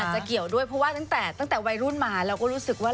เพราะว่าตั้งแต่วัยรุ่นมาเราก็รู้สึกว่า